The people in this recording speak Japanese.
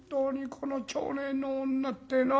この町内の女ってえのは。